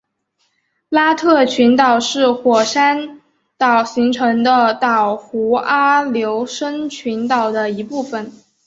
拉特群岛是火山岛形成的岛弧阿留申群岛的一部分。